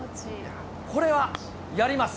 これはやります。